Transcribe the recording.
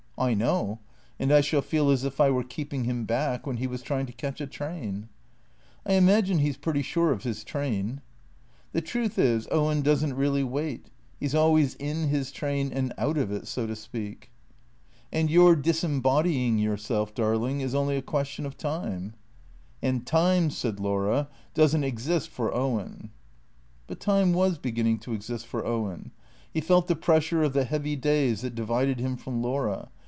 I know. And I shall feel as if I were keeping him back when he was trying to catch a train." " I imagine he 's pretty sure of his train." " The truth is Owen does n't really wait. He 's always in his train and out of it, so to speak." " And your disembodying yourself, darling, is only a question of time." " And time," said Laura, " does n't exist for Owen." But time was beginning to exist for Owen. He felt the pressure of the heavy days that divided him from Laura.